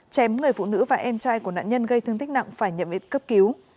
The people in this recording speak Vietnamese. chém người phụ nữ và em trai của nạn nhân gây thương tích nặng phải nhậm ít cấp cứu